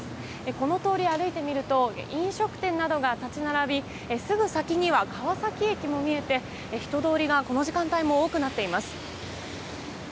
この通りを歩いてみると飲食店などが立ち並びすぐ先には川崎駅も見えて人通りが、この時間帯も多くなっています。